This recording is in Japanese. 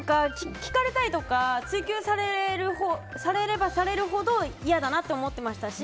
聞かれたり追及されればされるほど嫌だなって思っていましたし。